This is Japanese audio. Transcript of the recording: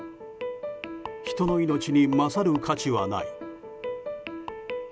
人の命に勝る価値はない。